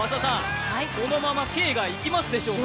このままＫがいきますでしょうか？